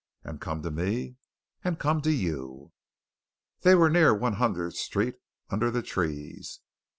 "And come to me?" "And come to you." They were near One Hundredth Street, under the trees.